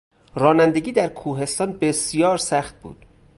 رانندگی در کوهستان بسیار سخت بود.